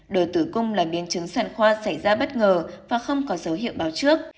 đời tử cung là biến chứng sản khoa xảy ra bất ngờ và không có dấu hiệu báo trước